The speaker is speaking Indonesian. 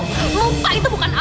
fitnah itu fitnah